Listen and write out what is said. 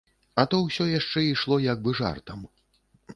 А то ўсё яшчэ ішло як бы жартам.